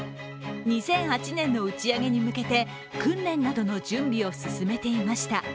２００８年の打ち上げに向けて訓練などの準備を進めていました。